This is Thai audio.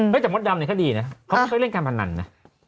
ไม่จำเป็นว่าดำเลยก็ดีนะเขาไม่ก็เรียกการพนันนะ